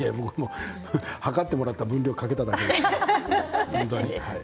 量ってもらった分量をかけただけです。